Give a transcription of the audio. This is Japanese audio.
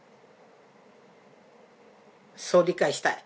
そう理解したい。